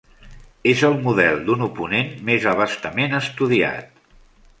És el model d'un oponent més abastament estudiat.